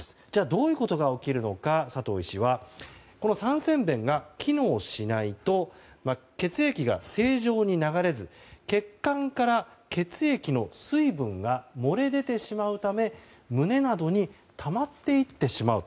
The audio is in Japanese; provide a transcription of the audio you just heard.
どういうことが起きるのか佐藤医師は三尖弁が機能しないと血液が正常に流れず血管から血液の水分が漏れ出てしまうため胸などにたまっていってしまう。